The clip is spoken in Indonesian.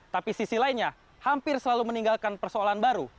tapi sisi lainnya hampir selalu meninggalkan persoalan baru